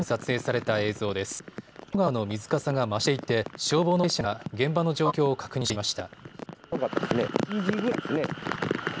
天井川の水かさが増していて消防の関係者が現場の状況を確認していました。